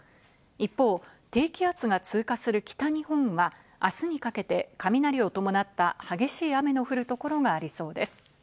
一方、低気圧が通過する北日本は明日にかけて雷を伴った激しい雨の降る所がありそうです。